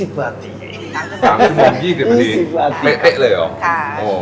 พูดไทยได้ไหม